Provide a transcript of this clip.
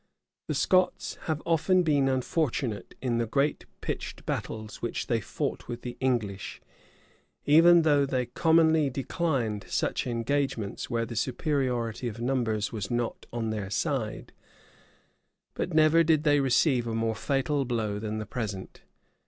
The Scots have often been unfortunate in the great pitched battles which they fought with the English; even though they commonly declined such engagements where the superiority of numbers was not on their side: but never did they receive a more fatal blow than the present.